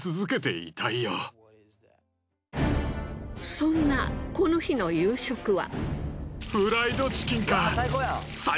そんなこの日の夕食は。